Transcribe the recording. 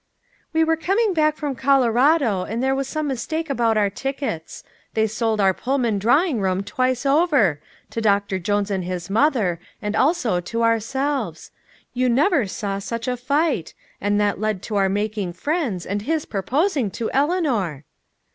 "We were coming back from Colorado, and there was some mistake about our tickets. They sold our Pullman drawing room twice over to Doctor Jones and his mother, and also to ourselves. You never saw such a fight and that led to our making friends, and his proposing to Eleanor!"